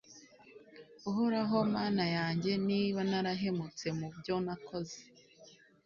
uhoraho, mana yanjye, niba narahemutse mu byo nakoze